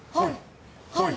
ほい。